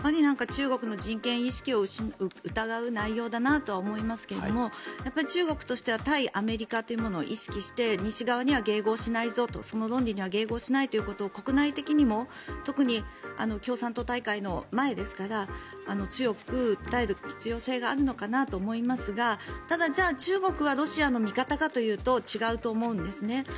中国の人権意識を疑う内容だなとは思いますが中国としては対アメリカというものを意識して西側には迎合しないぞとその論理には迎合しないということを国内的にも特に共産党大会の前ですから強く訴える必要性があるのかなと思いますがただ、じゃあ中国はロシアの味方かというと違うと思うんですね。